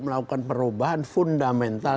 melakukan perubahan fundamental